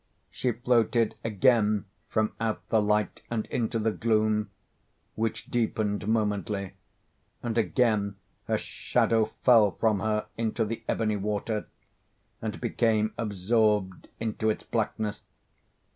She floated again from out the light and into the gloom (which deepened momently) and again her shadow fell from her into the ebony water, and became absorbed into its blackness.